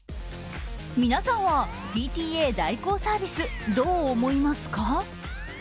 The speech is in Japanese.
皆さんはＰＴＡ代行サービスどう思いますか？